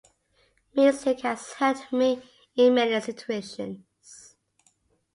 Music has helped me in many situations